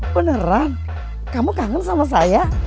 beneran kamu kangen sama saya